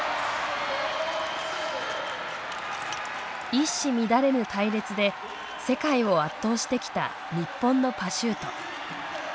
一糸乱れぬ隊列で世界を圧倒してきた日本のパシュート。